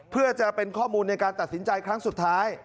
เพื่อจะเป็นข้อมูลในการตัดสินใจครั้งสุดท้าย